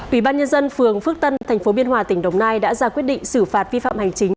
ủy ban nhân dân phường phước tân tp biên hòa tỉnh đồng nai đã ra quyết định xử phạt vi phạm hành chính